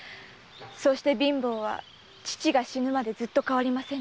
そして貧乏は父が死ぬまでずっと変わりませんでした。